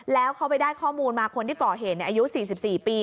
แล้วเขาไปได้ข้อมูลมาคนที่ก่อเหตุเนี้ยอายุสี่สิบสี่ปี